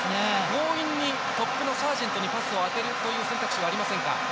強引にトップの下のサージェントにボールを当てるという選択はありませんか。